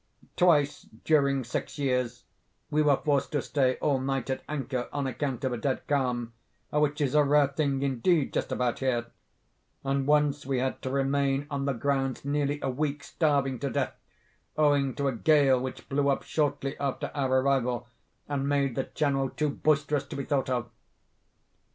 Twice, during six years, we were forced to stay all night at anchor on account of a dead calm, which is a rare thing indeed just about here; and once we had to remain on the grounds nearly a week, starving to death, owing to a gale which blew up shortly after our arrival, and made the channel too boisterous to be thought of.